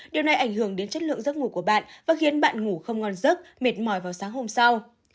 điều này ảnh hưởng đến chất lượng giấc ngủ của bạn và khiến bạn ngủ không ngon giấc mệt mỏi vào sáng hôm sau